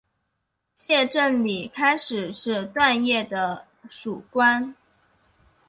谢正礼开始是段业的属官。